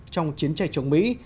trong chiến tranh chống mỹ